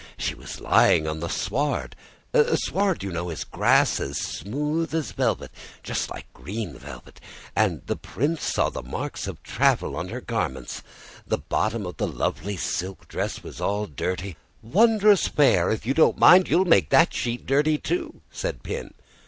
She was lying on the sward a sward, you know, is grass as smooth as velvet, just like green velvet and the Prince saw the marks of travel on her garments. The bottom of the lovely silk dress was all dirty " "Wondrous Fair, if you don't mind you'll make that sheet dirty, too," said Pin.